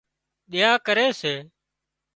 ۮيا ڪري سي